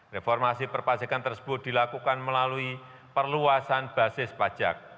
reformasi perpajakan tersebut dilakukan melalui perluasan basis pajak